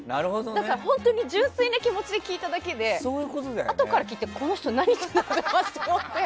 だから本当に純粋な気持ちで聞いただけであとから聞いてこの人、何言ってんだろうって。